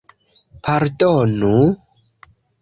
Pardonu?